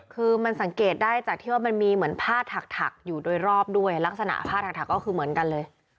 คือมันสังเกตได้จากที่ว่ามันมีเหมือนผ้าถักอยู่โดยรอบด้วยลักษณะผ้าถักก็คือเหมือนกันเลย